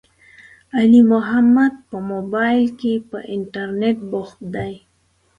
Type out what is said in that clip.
علي محمد په مبائل کې، په انترنيت بوخت دی.